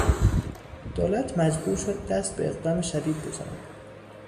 دولت مجبور شد دست به اقدام شدید بزند.